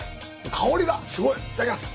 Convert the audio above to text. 香りがすごい。いただきます。